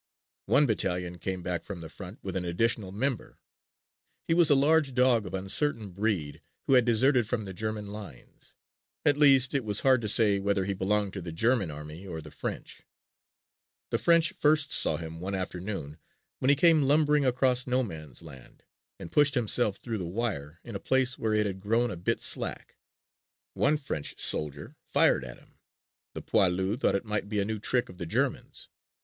One battalion came back from the front with an additional member. He was a large dog of uncertain breed who had deserted from the German lines. At least it was hard to say whether he belonged to the German army or the French. The French first saw him one afternoon when he came lumbering across No Man's Land and pushed himself through the wire in a place where it had grown a bit slack. One French soldier fired at him. The poilu thought it might be a new trick of the Germans.